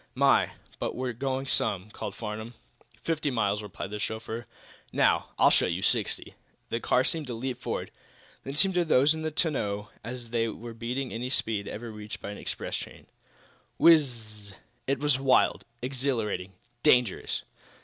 "My, but we're going some," called Farnum. "Fifty miles," replied the chauffeur. "Now, I'll show you sixty." The car seemed to leap forward. Then, it seemed to those in the tonneau as though they were beating any speed ever reached by an express train. Whizz zz! It was wild, exhilarating dangerous!